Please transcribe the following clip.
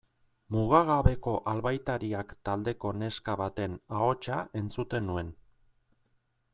Mugagabeko Albaitariak taldeko neska baten ahotsa entzuten nuen.